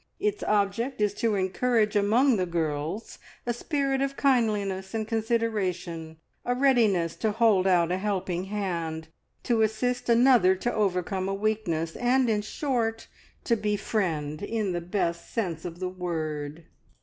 Its object is to encourage among the girls a spirit of kindliness and consideration, a readiness to hold out a helping hand, to assist another to overcome a weakness, and, in short, to befriend, in the best sense of the word.